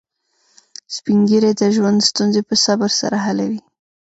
سپین ږیری د ژوند ستونزې په صبر سره حلوي